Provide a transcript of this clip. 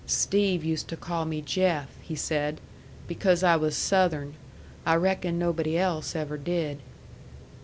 "Steve used to call me Jeff," he said, "because I was Southern. I reckon nobody else ever did."